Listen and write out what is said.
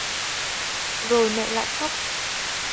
Rồi mẹ lại khóc